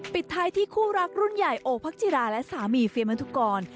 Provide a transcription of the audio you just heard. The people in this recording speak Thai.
ปิดท้ายที่คู่รักรุ่นใหญ่โอพักจิราและสามีเฟียมัธุกร